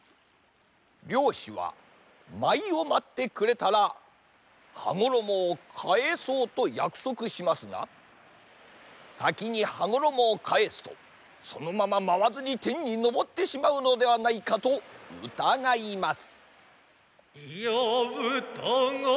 りょうしはまいをまってくれたらはごろもをかえそうとやくそくしますがさきにはごろもをかえすとそのまままわずにてんにのぼってしまうのではないかとうたがいます。